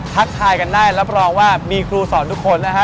ทักทายกันได้รับรองว่ามีครูสอนทุกคนนะฮะ